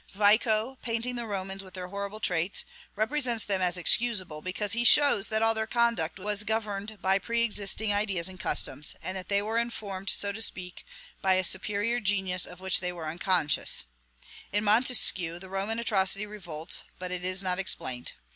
Vico, painting the Romans with their horrible traits, represents them as excusable, because he shows that all their conduct was governed by preexisting ideas and customs, and that they were informed, so to speak, by a superior genius of which they were unconscious; in Montesquieu, the Roman atrocity revolts, but is not explained.